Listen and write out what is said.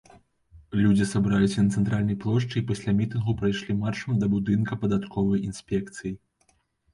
Людзі сабраліся на цэнтральнай плошчы і пасля мітынгу прайшлі маршам да будынка падатковай інспекцыі.